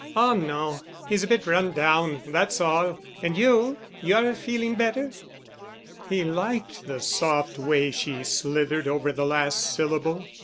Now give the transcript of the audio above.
"Oh, no. He's a bit run down, that's all. And you—you're feeling better?" He liked the soft way she slithered over the last syllable.